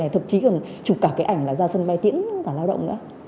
thậm chí còn chụp cả cái ảnh là ra sân bay tiễn cả lao động nữa